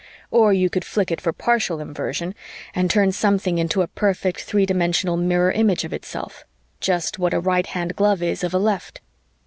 Or you could flick it for partial Inversion and turn something into a perfect three dimensional mirror image of itself, just what a right hand glove is of a left.